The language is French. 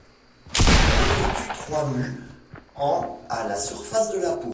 Elle effectue trois mues en à la surface de la peau.